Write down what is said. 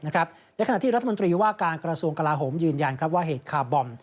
ในขณะที่รัฐมนตรีว่าการกระทรวงกลาโหมยืนยันว่าเหตุคาร์บอม